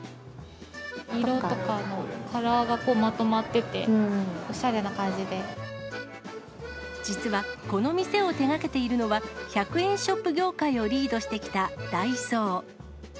色とかもカラーがまとまって実は、この店を手がけているのは、１００円ショップ業界をリードしてきたダイソー。